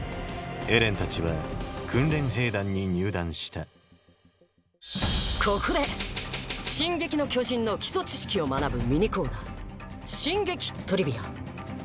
エレンたちは訓練兵団に入団したここで「進撃の巨人」の基礎知識を学ぶミニコーナー「進撃トリビア」！